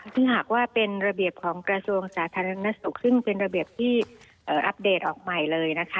ซึ่งหากว่าเป็นระเบียบของกระทรวงสาธารณสุขซึ่งเป็นระเบียบที่อัปเดตออกใหม่เลยนะคะ